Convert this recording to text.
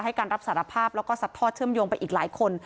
การรับสารภาพแล้วก็สัดทอดเชื่อมโยงไปอีกหลายคน